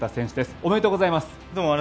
おめでとうございます。